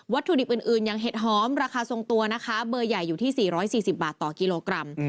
ถุดิบอื่นอย่างเห็ดหอมราคาทรงตัวนะคะเบอร์ใหญ่อยู่ที่๔๔๐บาทต่อกิโลกรัม